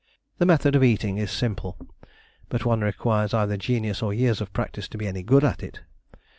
The method of eating is simple, but one requires either genius or years of practice to be any good at it.